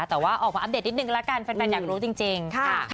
แต่ว่าออกมาอัปเดตนิดนึงละกันแฟนอยากรู้จริงค่ะ